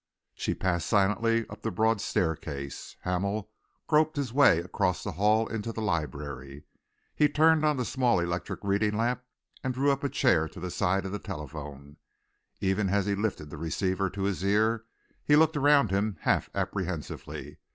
She passed silently up the broad staircase. Hamel groped his way across the hall into the library. He turned on the small electric reading lamp and drew up a chair to the side of the telephone. Even as he lifted the receiver to his ear, he looked around him half apprehensively.